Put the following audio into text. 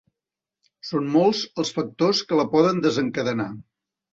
Són molts els factors que la poden desencadenar.